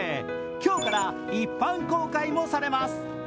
今日から一般公開もされます。